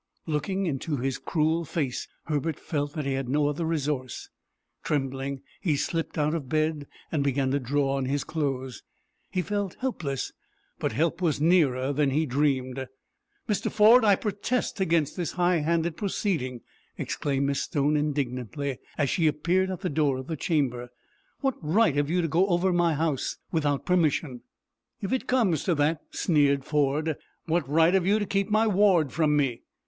Looking into his cruel face, Herbert felt that he had no other resource. Trembling, he slipped out of bed, and began to draw on his clothes. He felt helpless, but help was nearer than he dreamed. "Mr. Ford, I protest against this high handed proceeding," exclaimed Miss Stone, indignantly, as she appeared at the door of the chamber. "What right have you to go over my house without permission?" "If it comes to that," sneered Ford, "what right have you to keep my ward from me?"